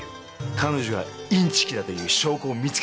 彼女がインチキだという証拠を見つけてきてほしいんだ。